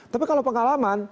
tapi kalau pengalaman